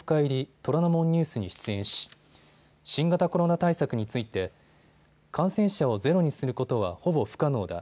虎ノ門ニュースに出演し新型コロナ対策について感染者をゼロにすることはほぼ不可能だ。